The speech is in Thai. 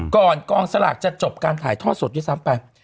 กองสลากจะจบการถ่ายทอดสดด้วยซ้ำไป